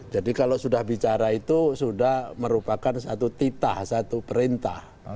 jadi kalau sudah bicara itu sudah merupakan satu titah satu perintah